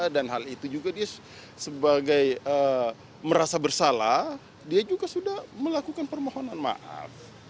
dan hal itu juga dia sebagai merasa bersalah dia juga sudah melakukan permohonan maaf